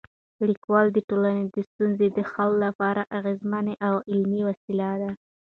لیکوالی د ټولنې د ستونزو د حل لپاره اغېزمن او عملي وسیله ده.